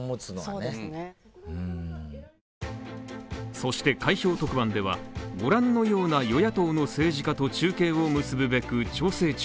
そして開票特番では、ご覧のような与野党の政治家と中継を結ぶべく調整中。